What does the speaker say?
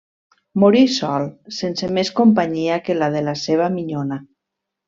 Morí sol, sense més companyia que la de la seva minyona.